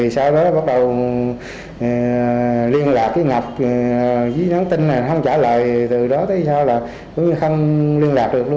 sau đó bắt đầu liên lạc với ngọc với nhắn tin này không trả lời từ đó tới giờ là không liên lạc được luôn